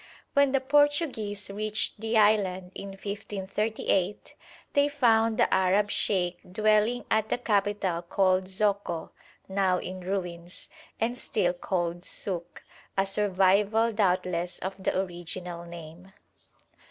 When the Portuguese reached the island in 1538, they found the Arab sheikh dwelling at the capital called Zoko, now in ruins, and still called Suk, a survival doubtless of the original name.